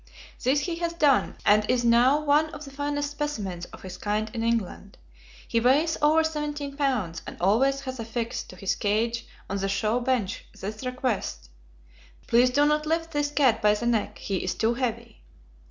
This he has done, and is now one of the finest specimens of his kind in England. He weighs over seventeen pounds, and always has affixed to his cage on the show bench this request, "Please do not lift this cat by the neck; he is too heavy."